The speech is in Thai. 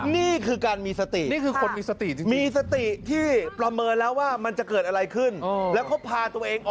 นี่คือการมีสติจริง